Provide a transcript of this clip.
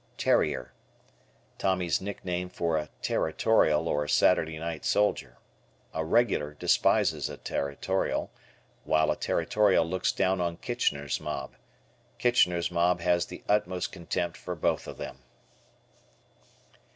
"Terrier." Tommy's nickname for a Territorial or "Saturday night soldier." A regular despises a Territorial while a Territorial looks down on "Kitchener's Mob." Kitchener's Mob has the utmost contempt for both of them.